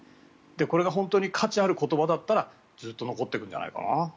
これが本当に価値ある言葉だったらずっと残っていくんじゃないかな。